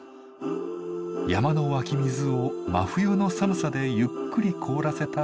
山の湧き水を真冬の寒さでゆっくり凍らせた天然氷。